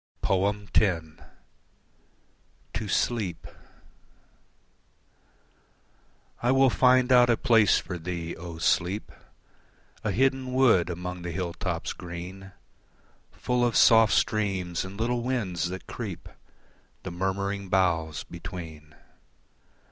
X. To Sleep I will find out a place for thee, O Sleep A hidden wood among the hill tops green, Full of soft streams and little winds that creep The murmuring boughs between.